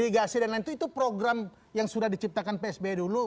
karena itu program yang sudah diciptakan psb dulu